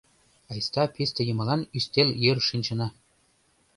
Айста писте йымалан ӱстел йыр шинчына...